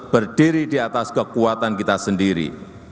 berdiri di atas kekuatan kita sendiri